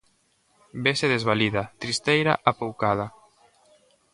Vese desvalida, tristeira, apoucada.